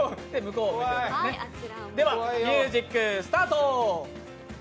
では、ミュージック、スタート！